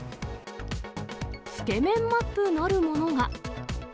つけ麺マップなるものが。